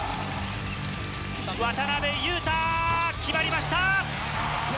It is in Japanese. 渡邊雄太、決まりました！